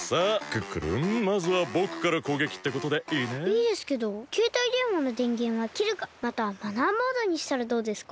いいですけどけいたいでんわのでんげんはきるかまたはマナーモードにしたらどうですか？